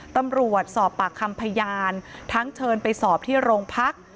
ตำรวจสอบปากคำพยานทั้งเชิญไปสอบที่โรงพัก